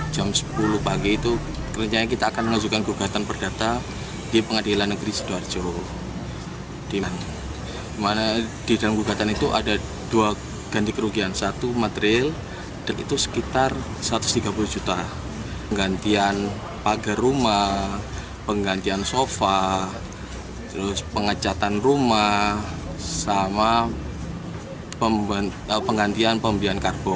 jawa pada rabu esok